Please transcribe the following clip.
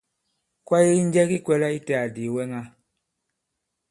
Kwaye ki njɛ ki kwɛ̄lā itē àdì ìwɛŋa?